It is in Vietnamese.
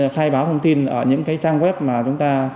khai báo thông tin ở những cái trang web mà chúng ta